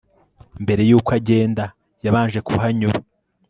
mbere yuko agenda ,yabanjye kuhanyura